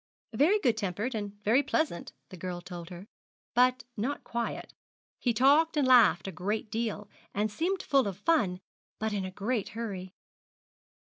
Very good tempered, and very pleasant, the girl told her, but not quiet; he talked and laughed a great deal, and seemed full of fun, but in a great hurry.